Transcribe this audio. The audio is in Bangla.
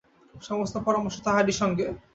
সমস্ত পরামর্শ তাহারই সঙ্গে।